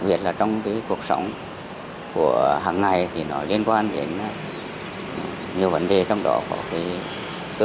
biệt là trong cái cuộc sống của hàng ngày thì nó liên quan đến nhiều vấn đề trong đó có cái cơ